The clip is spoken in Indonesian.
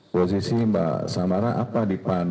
posisi mbak samara apa di pan